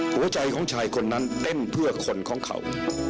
หัวใจของชายคนนั้นเต้นเพื่อคนของเขา